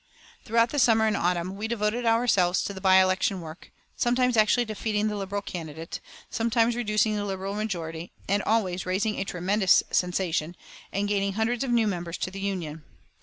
Throughout the summer and autumn we devoted ourselves to the by election work, sometimes actually defeating the Liberal candidate, sometimes reducing the Liberal majority, and always raising a tremendous sensation and gaining hundreds of new members to the Union.